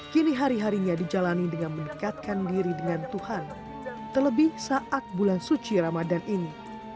kini hari harinya dijalani dengan mendekatkan diri dengan tuhan terlebih saat bulan suci ramadan ini